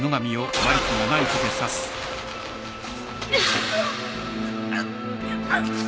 うっ！